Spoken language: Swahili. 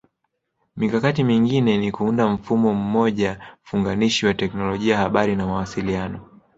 Mikakati mingine ni kuunda mfumo mmoja funganishi wa Teknolojia Habari na Mawasiliano